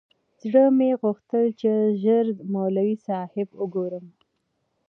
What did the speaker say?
زړه مې غوښتل چې ژر مولوي صاحب وگورم.